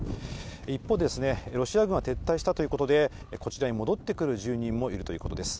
一方、ロシア軍が撤退したということで、こちらに戻ってくる住人もいるということです。